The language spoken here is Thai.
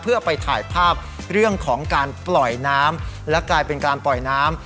เพื่อไปถ่ายภาพเรื่องของการปล่อยน้ำและกลายเป็นการปล่อยน้ำ